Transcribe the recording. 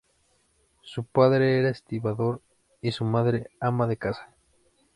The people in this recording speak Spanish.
Su padre era estibador, y su madre ama de casa.